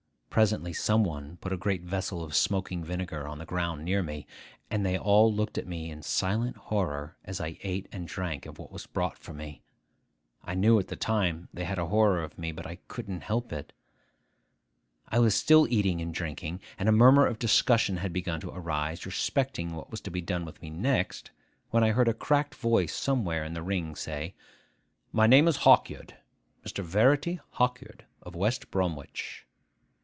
Presently some one put a great vessel of smoking vinegar on the ground near me; and then they all looked at me in silent horror as I ate and drank of what was brought for me. I knew at the time they had a horror of me, but I couldn't help it. I was still eating and drinking, and a murmur of discussion had begun to arise respecting what was to be done with me next, when I heard a cracked voice somewhere in the ring say, 'My name is Hawkyard, Mr. Verity Hawkyard, of West Bromwich.